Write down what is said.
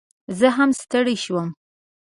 زه هم ستړي شوم